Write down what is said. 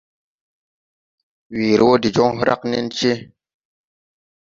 Weere wɔ de joŋ hragge nencee.